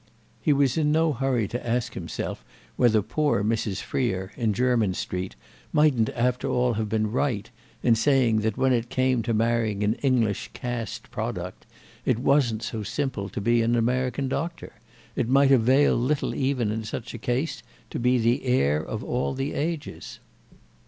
He was in no hurry to ask himself whether poor Mrs. Freer, in Jermyn Street, mightn't after all have been right in saying that when it came to marrying an English caste product it wasn't so simple to be an American doctor—it might avail little even in such a case to be the heir of all the ages.